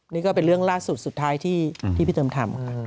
นี่ก็เป็นเรื่องล่าสุดสุดท้ายที่พี่เติมทำค่ะ